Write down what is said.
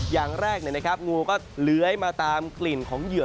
อย่างแรกงูก็เลื้อยมาตามกลิ่นของเหยื่อ